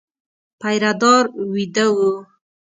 پيره دار وېده و.